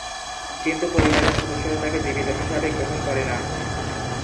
কিন্তু পরিবারের সদস্যরা তাকে জীবিত হিসাবে গ্রহণ করে না।